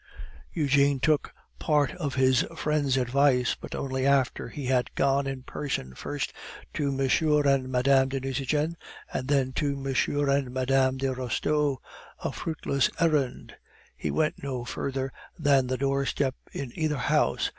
'" Eugene took part of his friend's advice, but only after he had gone in person first to M. and Mme. de Nucingen, and then to M. and Mme. de Restaud a fruitless errand. He went no further than the doorstep in either house.